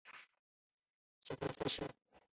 其他赛事